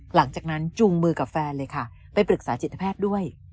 หลังจากนั้นจูงมือกับแฟนเลยค่ะไปปรึกษาจิตแพทย์ด้วย